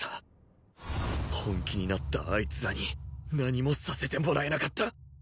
本気になったあいつらに何もさせてもらえなかった